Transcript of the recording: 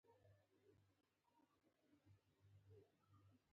د پنجشیر کبان مشهور دي